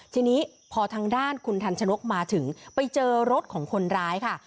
ทีนี้พอทางด้านคุณทันชนกมาถึงไปเจอรถของคนร้ายค่ะ